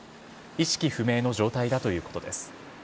意識不明の状態だということです。